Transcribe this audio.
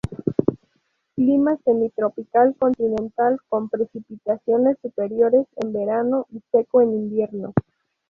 Clima semitropical continental, con precipitaciones superiores en verano y seco en invierno.